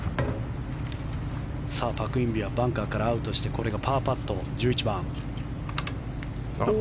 パク・インビはバンカーからアウトしてこれがパーパット、１１番。